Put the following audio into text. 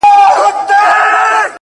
ستا د يوې لپي ښكلا په بدله كي ياران،